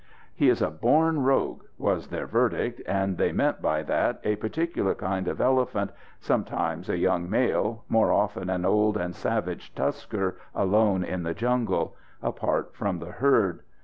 "He is a born rogue," was their verdict, and they meant by that, a particular kind of elephant, sometimes a young male, more often an old and savage tusker alone in the jungle apart from the herd.